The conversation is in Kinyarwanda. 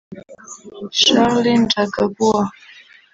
Charles Njagagua